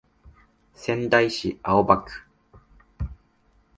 仙台市青葉区